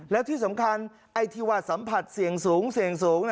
แล้วที่สำคัญไอทีวาสัมผัสเสี่ยงสูง